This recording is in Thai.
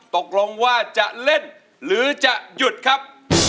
ตกลงว่าจะเล่นหรือจะหยุดครับ